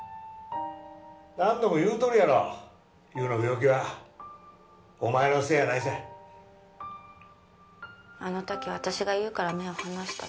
何度も言うとるやろ優の病気はお前のせいやないさあの時私が優から目を離したで